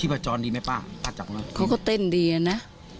ร้อนไปเถอะนะ